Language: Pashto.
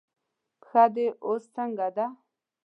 پښه دې اوس څنګه ده؟